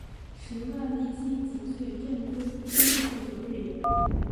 时万历辛己岁正月十九日也。